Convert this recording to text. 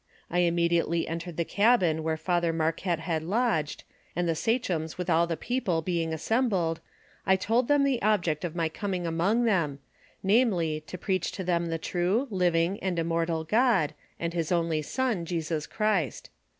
I immediately entered the cabin where Father Mar quette had lodged, and the sachems with all the people being assembled, I told them the object of my coming among them, namely, to preach to them the true, living, and immortal God, and his only Son, Jesus Christ.